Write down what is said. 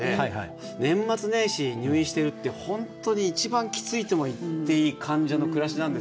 年末年始入院してるって本当に一番きついともいっていい患者の暮らしなんですよ。